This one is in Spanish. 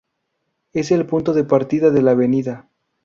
Es el punto de partida de la av.